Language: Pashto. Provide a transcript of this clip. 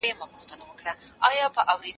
کېدای سي جواب ستونزي ولري..